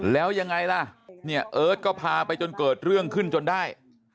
แล้วยังไงล่ะเนี่ยเอิร์ทก็พาไปจนเกิดเรื่องขึ้นจนได้